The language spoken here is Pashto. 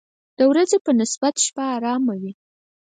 د ورځې په نسبت شپه آرامه وي.